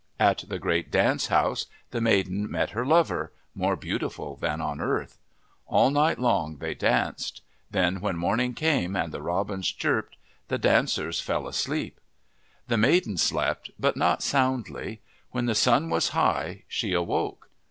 At the great dance house the maiden met her lover, more beautiful than on earth. All night long they danced. Then when morning came and the robins chirped, the dancers fell asleep. The maiden slept, but not soundly. When the sun was high, she awoke.